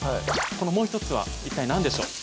このもう一つは一体何でしょう？